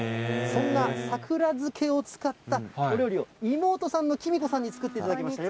そんな桜漬けを使ったお料理を、妹さんの貴美子さんに作っていただきました。